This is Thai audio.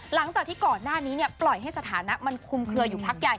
หลังจากที่ก่อนหน้านี้ปล่อยให้สถานะมันคุมเคลืออยู่พักใหญ่